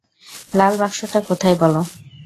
লাল বাক্সটা কোথায় বল।